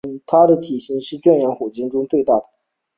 它的体型是目前圈养虎鲸中最大的。